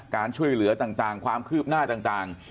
การช่วยเหลือต่างความคืบหน้าต่าง